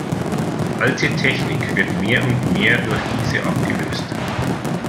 Alte Technik wird mehr und mehr durch diese abgelöst.